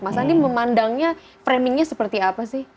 mas andi memandangnya framingnya seperti apa sih